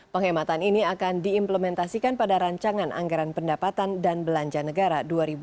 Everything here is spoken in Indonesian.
penghematan ini akan diimplementasikan pada rancangan anggaran pendapatan dan belanja negara dua ribu dua puluh